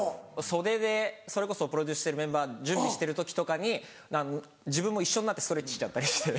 袖でそれこそプロデュースしてるメンバー準備してる時とかに自分も一緒になってストレッチしちゃったりして。